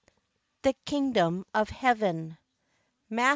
THE KINGDOM OF HEAVEN MATT.